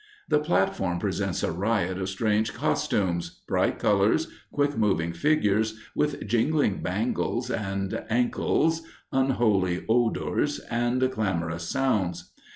The platform presents a riot of strange costumes, bright colors, quick moving figures with jingling bangles and ankles, unholy odors, and clamorous sounds.